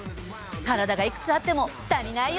体がいくつあっても足りないよね。